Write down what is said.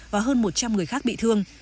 và hơn một trăm linh người khác bị thương